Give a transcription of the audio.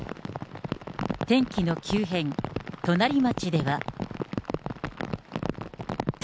天気の急変、隣町では。